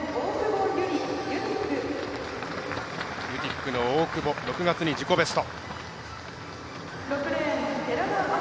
ユティックの大久保６月に自己ベスト。